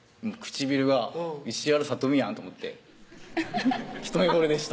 唇が石原さとみやんと思って一目ぼれでした